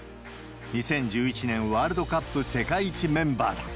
２０１１年ワールドカップ世界一メンバーだ。